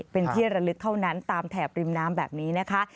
เป็นที่ระลึกเท่านั้นตามแถบริมน้ำแบบนี้นะคะ